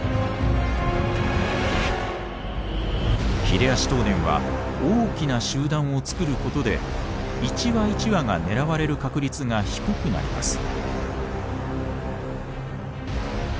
ヒレアシトウネンは大きな集団をつくることで一羽一羽が狙われる確率が低くなります。